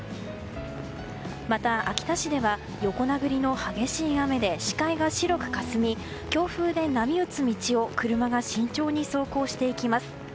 また、秋田市では横殴りの激しい雨で視界が白くかすみ強風で波打つ道を車が慎重に走行していきます。